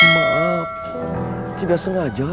maaf tidak sengaja